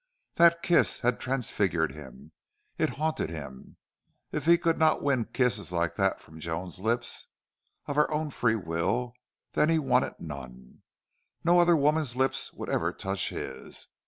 That kiss had transfigured him. It haunted him. If he could not win kisses like that from Joan's lips, of her own free will, then he wanted none. No other woman's lips would ever touch his.